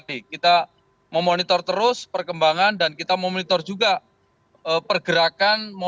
jadi kita memonitor terus perkembangan dan kita memonitor juga pergerakan